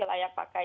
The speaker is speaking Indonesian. mana yang masih